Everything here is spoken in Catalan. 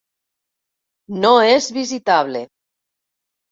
No és visitable.